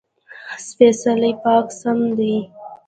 سپېڅلی: پاک سم دی.